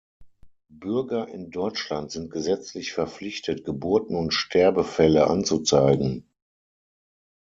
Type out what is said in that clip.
Bürger in Deutschland sind gesetzlich verpflichtet, Geburten und Sterbefälle anzuzeigen.